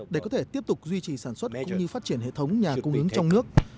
để có thể tiếp tục duy trì sản xuất cũng như phát triển hệ thống nhà cung ứng trong nước